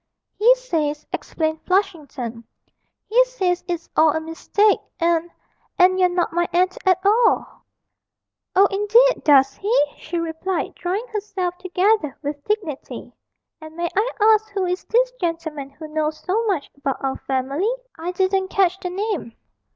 'He says,' explained Flushington, 'he says it's all a mistake, and and you're not my aunt at all!' 'Oh, indeed, does he?' she replied, drawing herself together with dignity; 'and may I ask who is this gentleman who knows so much about our family I didn't catch the name?'